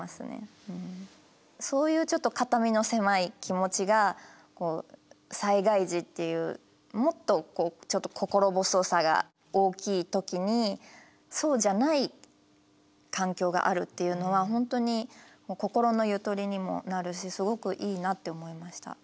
そういうちょっと肩身の狭い気持ちが災害時っていうもっと心細さが大きい時にそうじゃない環境があるっていうのは本当に心のゆとりにもなるしすごくいいなって思いました。